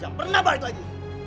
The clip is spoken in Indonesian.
jangan pernah balik lagi